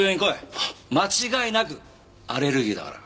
間違いなくアレルギーだから。